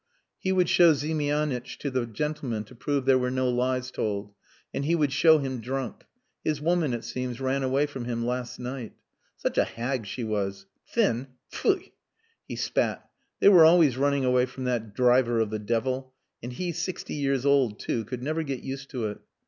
He would show Ziemianitch to the gentleman to prove there were no lies told. And he would show him drunk. His woman, it seems, ran away from him last night. "Such a hag she was! Thin! Pfui!" He spat. They were always running away from that driver of the devil and he sixty years old too; could never get used to it.